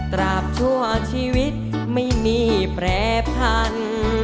ตราบชั่วชีวิตไม่มีแปรพัน